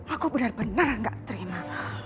aku benar benar gak terima